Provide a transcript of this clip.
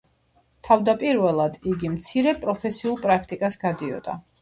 თავდაპირველად იგი მცირე პროფესიულ პრაქტიკას გადიოდა.